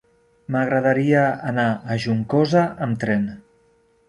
M'agradaria anar a Juncosa amb tren.